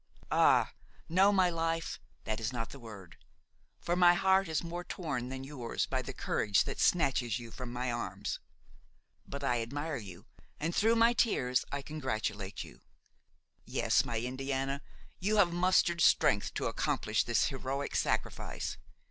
Ah! no, my life, that is not the word; for my heart is more torn than yours by the courage that snatches you from my arms. But I admire you; and, through my tears, I congratulate you. Yes, my Indiana, you have mustered strength to accomplish this heroic sacrifice.